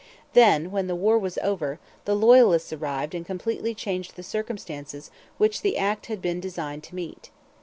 Then, when the war was over, the Loyalists arrived and completely changed the circumstances which the act had been designed to meet.